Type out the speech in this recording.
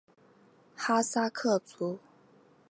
哈萨克族。